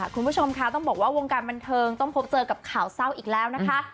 คุณผู้ชมคะต้องบอกว่าวงการบันเทิงต้องพบเจอกับข่าวเศร้าอีกแล้วนะคะ